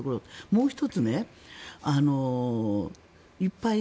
もう１つ、いっぱい